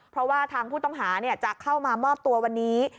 เพราะว่าทางผู้ต้องหาจะเข้ามามอบตัววันนี้